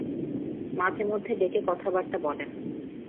মাঝে মধ্যে ডেকে কথাবার্তা বলেন।